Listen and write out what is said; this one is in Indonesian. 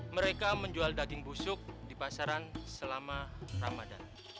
mereka menjual daging busuk di pasaran selama ramadan